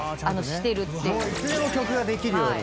いつでも曲ができるように。